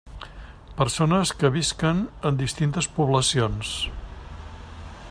Persones que visquen en distintes poblacions.